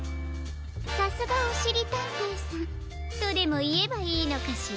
さすがおしりたんていさんとでもいえばいいのかしら？